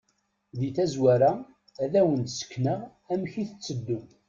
Deg tazwara, ad awen-d-sekneɣ amek i tetteddu.